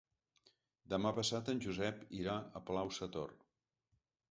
Demà passat en Josep irà a Palau-sator.